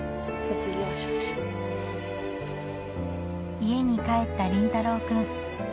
家に帰った凜太郎君